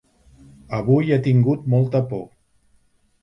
Avui he tingut molta por.